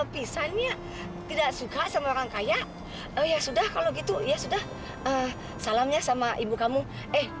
pisangnya tidak suka sama orang kaya oh ya sudah kalau gitu ya sudah salamnya sama ibu kamu eh